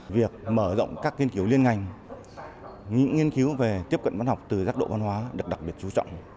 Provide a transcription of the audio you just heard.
việc mở rộng các nghiên cứu liên ngành những nghiên cứu về tiếp cận văn học từ giác độ văn hóa được đặc biệt chú trọng